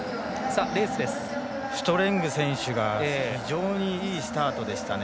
シュトレング選手が非常にいいスタートでしたね。